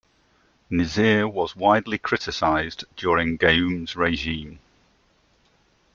Nasir was widely criticized during Gayoom's regime.